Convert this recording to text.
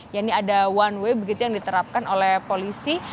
ya ini ada one way begitu yang diterapkan oleh polisi